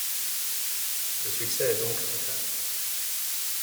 Le succès est donc total.